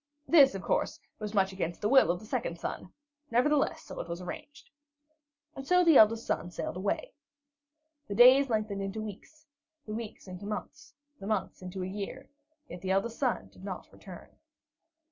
This, of course, was much against the will of the second son; nevertheless, so it was arranged. And so the eldest son sailed away. The days lengthened into weeks, the weeks into months, the months into a year, yet the eldest son did not return.